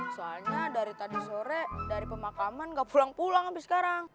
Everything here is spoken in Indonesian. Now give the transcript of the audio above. soalnya dari tadi sore dari pemakaman nggak pulang pulang sampai sekarang